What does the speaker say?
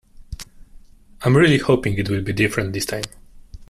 I'm really hoping it will be different this time.